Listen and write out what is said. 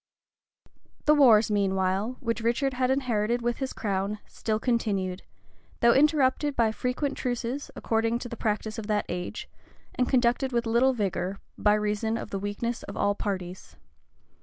[*] The wars, meanwhile, which Richard had inherited with his crown, still continued; though interrupted by frequent truces, according to the practice of that age, and conducted with little vigor, by reason of the weakness of all parties.